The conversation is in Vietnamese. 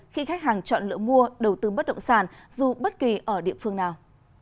khi khách hàng chọn lựa mua đầu tư bất động sản dù bất kỳ ở địa phương nào